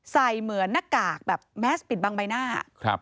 เหมือนหน้ากากแบบแมสปิดบังใบหน้า